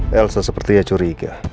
elsa seperti ya curiga